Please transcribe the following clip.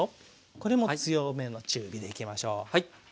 これも強めの中火でいきましょう。